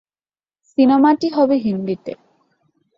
সিনেমাটি হবে হিন্দিতে।